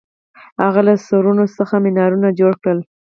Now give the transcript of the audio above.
هغه له سرونو څخه منارونه جوړ کړل.